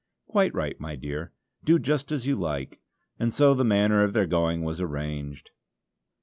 "Quite right, my dear! Do just as you like," and so the manner of their going was arranged.